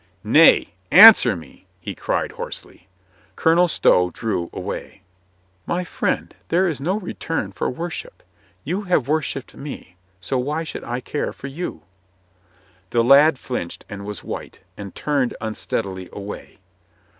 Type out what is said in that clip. "Nay, answer me !" he cried hoarsely. Colonel Stow drew away. "My friend, there is no return for worship. You have worshipped me, so why should I care for you ?" The lad flinched and was white, and turned un steadily away.